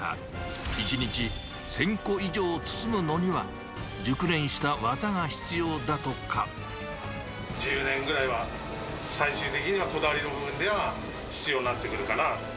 １日１０００個以上包むのには、１０年ぐらいは最終的にはこだわりの部分では、必要になってくるかな。